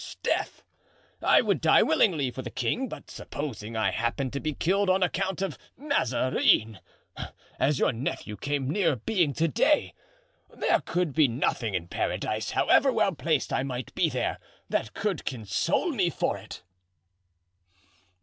'Sdeath! I would die willingly for the king, but supposing I happened to be killed on account of Mazarin, as your nephew came near being to day, there could be nothing in Paradise, however well placed I might be there, that could console me for it."